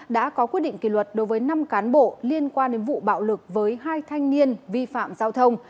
đã có quyết định kỷ luật đối với năm cán bộ liên quan đến vụ bạo lực với hai thanh niên vi phạm giao thông